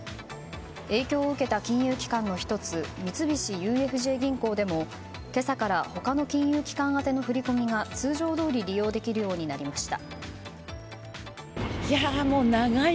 影響を受けた金融機関の１つ三菱ＵＦＪ銀行でも今朝から他の金融機関宛ての振り込みが通常どおり利用できるようになりました。